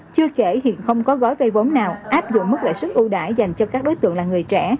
chưa kể hiện không có gói cây vốn nào áp dụng mức lợi sức ưu đại dành cho các đối tượng là người trẻ